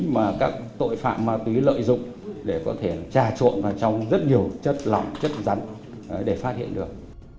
mà các tội phạm ma túy lợi dụng để có thể trà trộn vào trong rất nhiều chất lỏng chất rắn để phát hiện được